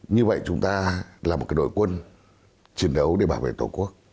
như vậy chúng ta là một đội quân chiến đấu để bảo vệ tổ quốc